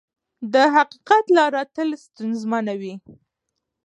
د حقیقت لاره تل ستونزمنه وي.